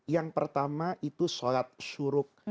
yang pertama itu sholat syuruk